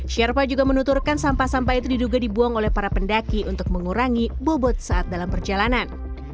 sherpa juga menuturkan sampah sampah itu diduga dibuang oleh para pendaki untuk mengurangi bobot saat dalam perjalanan